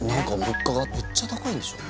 物価がめっちゃ高いんでしょ？